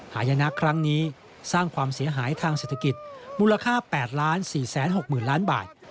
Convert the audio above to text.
หายนะครั้งนี้สร้างความเสียหายทางเศรษฐกิจมูลค่า๘๔๖๐๐๐ล้านบาท